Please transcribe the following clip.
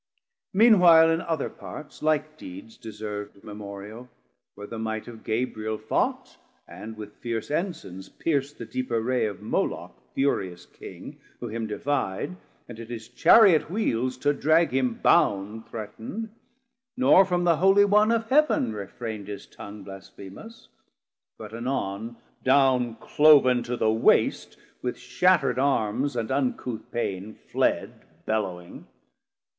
Mean while in other parts like deeds deservd Memorial, where the might of Gabriel fought, And with fierce Ensignes pierc'd the deep array Of Moloc furious King, who him defi'd, And at his Chariot wheeles to drag him bound Threatn'd, nor from the Holie One of Heav'n Refrein'd his tongue blasphemous; but anon 360 Down clov'n to the waste, with shatterd Armes And uncouth paine fled bellowing.